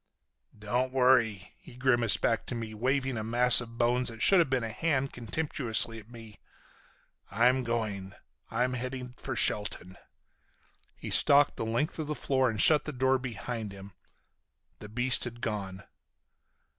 "Don't worry," he grimaced back to me, waving a mass of bones that should have been a hand contemptuously at me, "I'm going. I'm headed for Shelton." He stalked the length of the floor and shut the door behind him. The beast had gone.